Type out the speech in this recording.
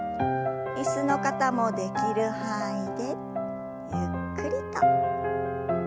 椅子の方もできる範囲でゆっくりと。